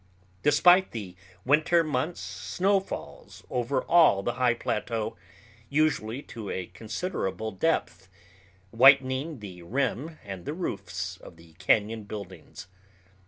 During the winter months snow falls over all the high plateau, usually to a considerable depth, whitening the rim and the roofs of the cañon buildings.